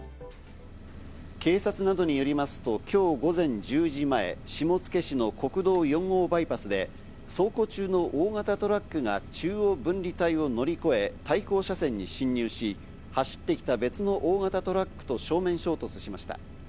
警察などによりますと、今日午前１０時前、下野市の国道４号バイパスで走行中の大型トラックが中央分離帯を乗り越え、対向車線に進入し、走ってきた別の大型トラックと正面衝突しました。